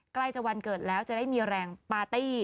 พี่อ้ำเต็มเยแรงปาร์ตี้